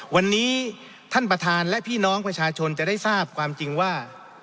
วันนี้ท่านประธานและพี่น้องประชาชนจะได้ทราบความจริงว่า